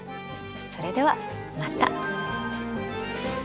それではまた。